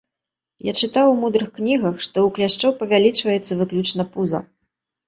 Я чытаў у мудрых кнігах, што ў кляшчоў павялічваецца выключна пуза.